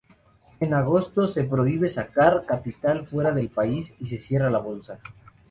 En agosto, se prohíbe sacar capital fuera del país y se cierra la Bolsa.